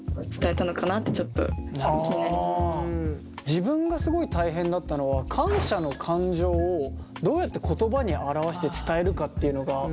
自分がすごい大変だったのは感謝の感情をどうやって言葉に表して伝えるかっていうのが。